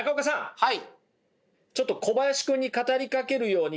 はい。